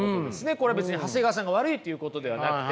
これは別に長谷川さんが悪いということではなくて。